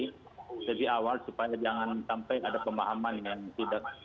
jadi lebih awal supaya jangan sampai ada pemahaman yang tidak